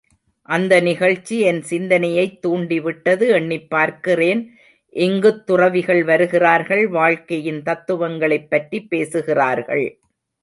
அந்த நிகழ்ச்சி என் சிந்தனையைத் தூண்டிவிட்டது எண்ணிப்பார்க்கிறேன். இங்குத் துறவிகள் வருகிறார்கள் வாழ்க்கையின் தத்துவங்களைப் பற்றிப் பேசுகிறார்கள்.